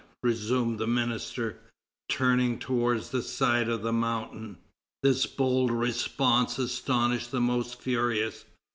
resumed the minister, turning toward the side of the Mountain. This bold response astonished the most furious.